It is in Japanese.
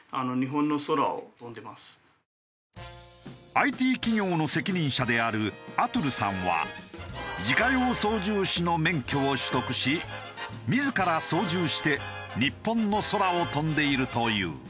ＩＴ企業の責任者であるアトゥルさんは自家用操縦士の免許を取得し自ら操縦して日本の空を飛んでいるという。